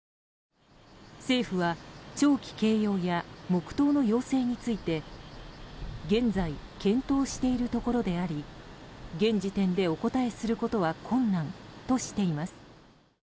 政府は弔旗掲揚や黙祷の要請について現在、検討しているところであり現時点でお答えすることは困難としています。